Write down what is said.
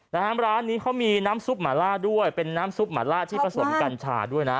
นะฮะร้านนี้เขามีน้ำซุปหมาล่าด้วยเป็นน้ำซุปหมาล่าที่ผสมกัญชาด้วยนะ